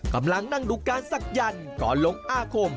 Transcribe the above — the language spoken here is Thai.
กำลังนั่งดูการศักยันต์ก่อนลงอาคม